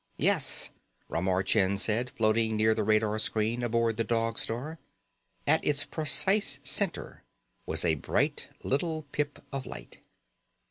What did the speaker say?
"Yes," Ramar Chind said, floating near the radar screen aboard the Dog Star. At its precise center was a bright little pip of light.